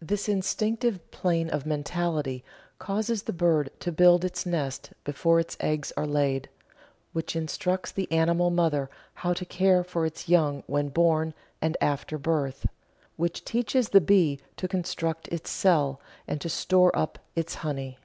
This Instinctive plane of mentality causes the bird to build its nest before its eggs are laid, which instructs the animal mother how to care for its young when born, and after birth; which teaches the bee to construct its cell and to store up its honey.